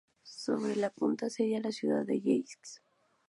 Sobre la punta se halla la ciudad de Yeisk.